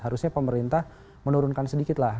harusnya pemerintah menurunkan sedikit lah